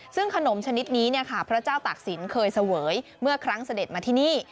ซึ่งขนมชนิดนี้พระเจ้าตากศิลปเคยเสวยเมื่อครั้งเสด็จมาที่นี่